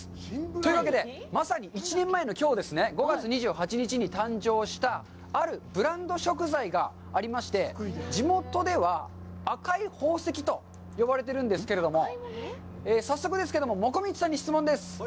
というわけで、まさに１年前のきょう、５月２８日に誕生したあるブランド食材がありまして、地元では“赤い宝石”と呼ばれているんですけれども、早速ですけども、もこみちさんに質問です。